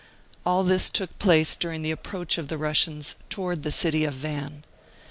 51 52 Conclusion All this took place during the approach of the Russians towards the city of Van.